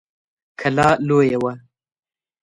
کلا لويه وه.